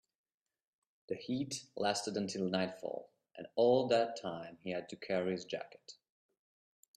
The heat lasted until nightfall, and all that time he had to carry his jacket.